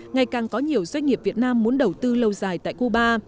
ngày càng có nhiều doanh nghiệp việt nam muốn đầu tư lâu dài tại cuba